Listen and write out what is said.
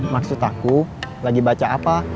maksud aku lagi baca apa